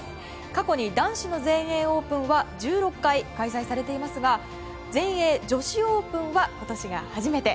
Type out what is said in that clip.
過去に男子の全英オープンは１６回開催されていますが全英女子オープンは今年が初めて。